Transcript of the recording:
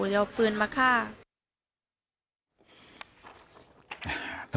แล้วเอาปืนมาฆ่า